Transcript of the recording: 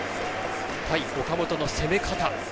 対岡本の攻め方。